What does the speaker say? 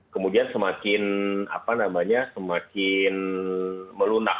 kemudian semakin melunak